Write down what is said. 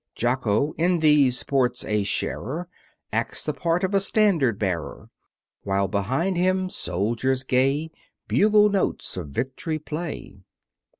Jocko, in these sports a sharer, Acts the part of a standard bearer, While behind him soldiers gay Bugle notes of victory play.